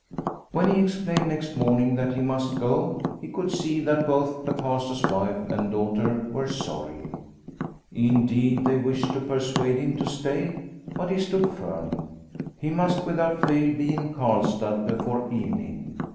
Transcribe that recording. When he ex plained next morning that he must go he could Ensign Orneclou 185 see that both the Pastor's wife and daughter were sorry. Indeed, they wished to persuade him to stay, but he stood firm. He must without fail be in Karlstad before evening.